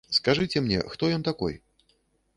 Скажыце мне, хто ён такой?